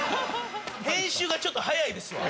編集がちょっと速いですわ。